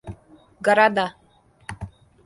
города